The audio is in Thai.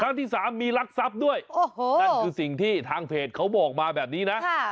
ครั้งที่๓มีลักษัพด้วยนั่นคือสิ่งที่ทางเพจเขาบอกมาแบบนี้นะ